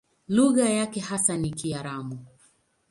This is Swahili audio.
Lugha yake hasa ni Kiaramu.